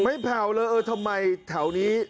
ไม่แผ่วเลยเออทำไมที่แถวนี้